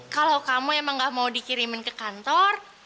kalau kamu emang gak mau dikirimin ke kantor